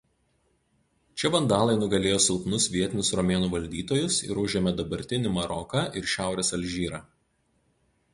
Čia vandalai nugalėjo silpnus vietinius romėnų valdytojus ir užėmė dabartinį Maroką ir šiaurės Alžyrą.